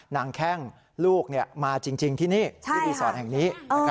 แข้งลูกมาจริงที่นี่ที่รีสอร์ทแห่งนี้